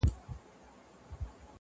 چي پښتانه په جبر نه- خو په رضا سمېږي--!